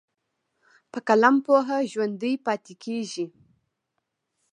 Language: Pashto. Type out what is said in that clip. په قلم پوهه ژوندی پاتې کېږي.